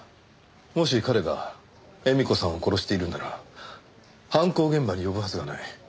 もし彼が絵美子さんを殺しているなら犯行現場に呼ぶはずがない。